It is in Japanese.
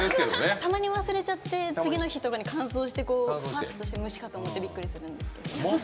たまに忘れちゃって次の日に乾燥していて虫かと思ってびっくりするんですけど。